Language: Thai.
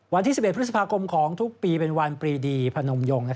วันที่๑๑พฤษภาคมของทุกปีเป็นวันปรีดีพนมยง